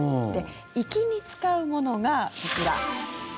行きに使うものが、こちら。